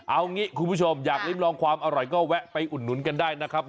เอางี้คุณผู้ชมอยากริมลองความอร่อยก็แวะไปอุดหนุนกันได้นะครับ